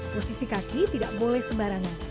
posisi kaki tidak boleh sembarangan